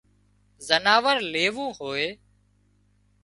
زناور ليوون هوئي